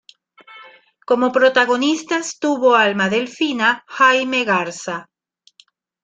Como protagonistas tuvo a Alma Delfina, Jaime Garza.